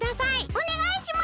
おねがいします！